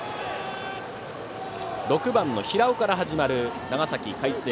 ６番の平尾から始まる長崎・海星。